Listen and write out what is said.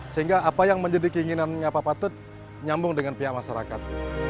sehingga apa yang menjadi keinginannya pak patut nyambung dengan pihak masyarakat